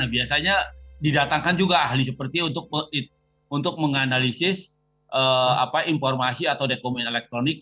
biasanya didatangkan juga ahli seperti untuk menganalisis informasi atau dokumen elektronik